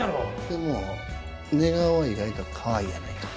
でも寝顔は意外とかわいいやないか。